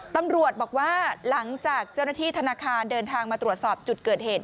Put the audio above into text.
ตำรวจบอกว่าหลังจากเจ้าหน้าที่ธนาคารเดินทางมาตรวจสอบจุดเกิดเหตุ